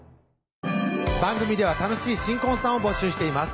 番組では楽しい新婚さんを募集しています